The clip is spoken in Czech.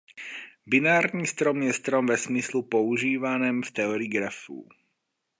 Binární strom je strom ve smyslu používaném v teorii grafů.